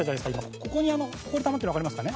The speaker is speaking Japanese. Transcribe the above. ここに、ほこり、たまってるのわかりますかね？